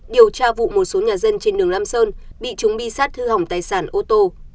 điều tra vụ một số nhà dân trên đường lam sơn bị chúng bi sát hư hỏng tài sản ô tô